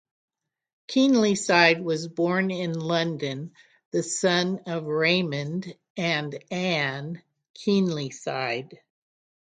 Keenlyside was born in London, the son of Raymond and Ann Keenlyside.